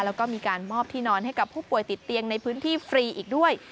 แล้วก็มีการมอบที่นอนให้กับผู้ป่วยติดเตียงในพื้นที่ฟรีอีกด้วย